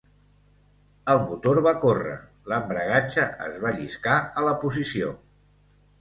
El motor va córrer; l'embragatge es va lliscar a la posició.